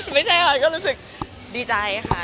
ไม่ใช่อะไรก็รู้สึกดีใจค่ะ